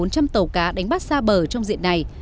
tàu cá đánh bắt xa bờ trong diện này